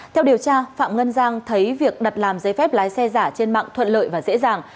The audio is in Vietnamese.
theo điều tra phạm ngân giang thấy việc đặt làm giấy phép lái xe giả trên mạng thuận lợi và dễ dàng